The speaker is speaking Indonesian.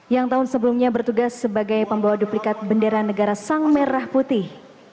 yang tahun sebelumnya bertugas sebagai pembawa duplikat bendera negara sang merah putih